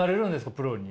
プロに。